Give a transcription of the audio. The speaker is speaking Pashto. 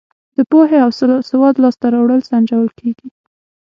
د پوهې او سواد لاس ته راوړل سنجول کیږي.